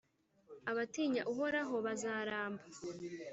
Abatinya Uhoraho bazaramba,